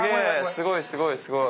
すごいすごいすごい。